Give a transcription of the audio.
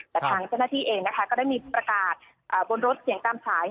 แต่ทางเจ้าหน้าที่เองนะคะก็ได้มีประกาศบนรถเสียงตามสาย